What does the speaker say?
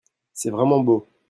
C'est vraiment beau.